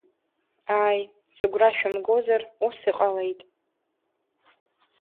Ааи, сыгәра шәымгозар, ус иҟалеит.